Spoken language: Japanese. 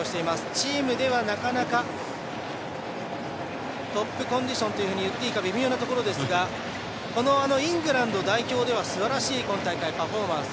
チームではなかなかトップコンディションと言っていいか微妙なところですがこのイングランド代表ではすばらしい今大会パフォーマンス。